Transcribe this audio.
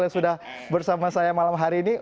yang sudah bersama saya malam hari ini